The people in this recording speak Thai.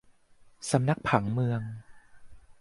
สำนักผังเมือง